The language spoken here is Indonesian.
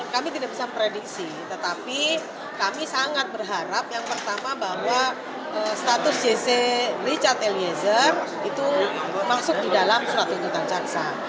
kami tidak bisa prediksi tetapi kami sangat berharap yang pertama bahwa status jc richard eliezer itu masuk di dalam surat tuntutan jaksa